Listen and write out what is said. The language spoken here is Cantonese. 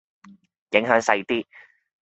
影響細啲